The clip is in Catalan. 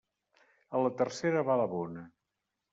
A la tercera va la bona.